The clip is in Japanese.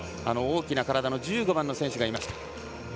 大きな体の１５番の選手がいました。